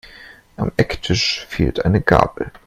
Am Ecktisch fehlt eine Gabel.